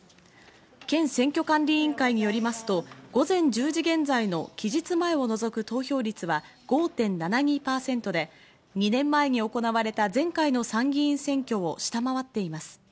県選挙管理委員会によりますと午前１０時現在の期日前を除く投票率は５．７２％で２年前に行われた前回の参議院選挙を下回っています。